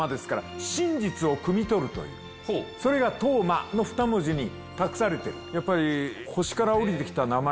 それが「斗真」のふた文字に託されてる。